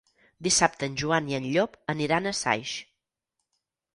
Dissabte en Joan i en Llop aniran a Saix.